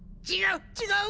違う！